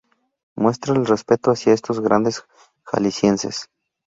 Muestra el respeto hacia estos grandes Jaliscienses.